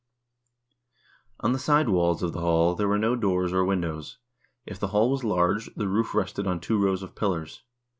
88 HISTORY OF THE NORWEGIAN PEOPLE the side walls of the hall there were no doors or windows. If the hall was large, the roof rested on two rows of pillars.